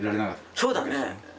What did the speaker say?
そうだね。